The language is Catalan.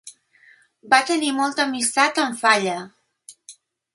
Va tenir molta amistat amb Falla.